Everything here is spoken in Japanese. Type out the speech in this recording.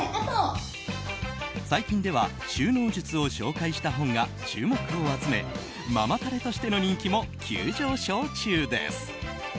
最近では収納術を紹介した本が注目を集めママタレとしての人気も急上昇中です。